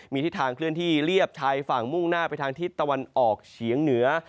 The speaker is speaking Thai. มีทิศทางเคลื่อนที่เรียบชายฝั่งมุ่งหน้าไปทางทิศตะวันออกเฉียงเหนือ